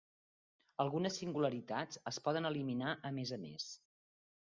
Algunes singularitats es poden eliminar a més a més.